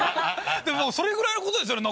でもそれぐらいのことですよね